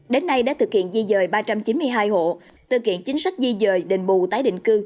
đến nay đã thực hiện di rời ba trăm chín mươi hai hộ thực hiện chính sách di rời đình bù tái định cư